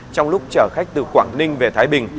trong lúc chở khách từ quảng ninh về thái bình